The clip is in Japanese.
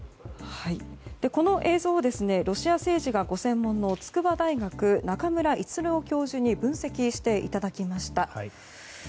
この映像をロシア政治がご専門の筑波大学の中村逸郎教授に分析していただきました。